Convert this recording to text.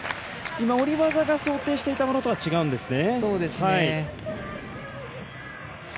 今、下り技が想定していたものとは違うんですね。